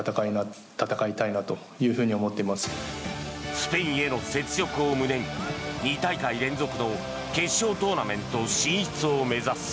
スペインへの雪辱を胸に２大会連続の決勝トーナメント進出を目指す。